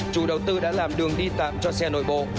chủ đầu tư đã làm đường đi tạm cho xe nội bộ